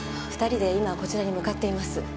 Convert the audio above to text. ２人で今こちらに向かっています。